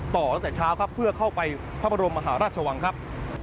ตั้งแต่เช้าครับเพื่อเข้าไปพระบรมมหาราชวังครับ